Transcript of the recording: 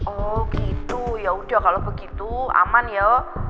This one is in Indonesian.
oh gitu ya udah kalau begitu aman ya